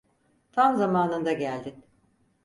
Tam zamanında geldin.